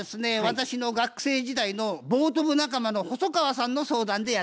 私の学生時代のボート部仲間の細川さんの相談でやって来たんですよ。